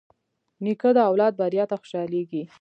نیکه د اولاد بریا ته خوشحالېږي.